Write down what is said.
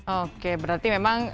oke berarti memang